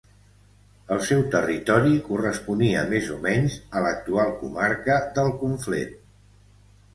El seu territori corresponia més o menys a l'actual comarca del Conflent.